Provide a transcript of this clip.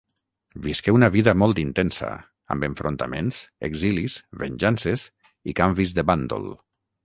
Visqué una vida molt intensa, amb enfrontaments, exilis, venjances i canvis de bàndol.